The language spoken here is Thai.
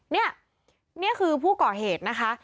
นี่นี่คือผู้ก่อเหตุนะคะ